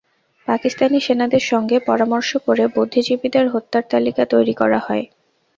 পাকিস্তানি সেনাদের সঙ্গে পরামর্শ করে বুদ্ধিজীবীদের হত্যার তালিকা তৈরি করা হয়।